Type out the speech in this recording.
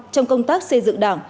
trong công tác xây dựng đảng